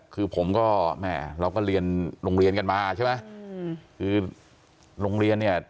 คือผมก็แม่เราก็เรียนโรงเรียนกันมาใช่ไหมคือโรงเรียนเนี่ย